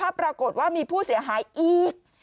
ปรากฏว่ามีผู้เสียหายอีก